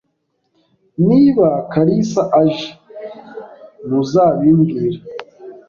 Niba Kalisa aje, ntuzabimbwira?